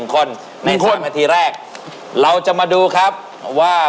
คน๑คนนาทีแรกเราจะมาดูครับว่า